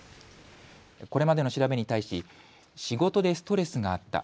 これまでの調べに対し仕事でストレスがあった。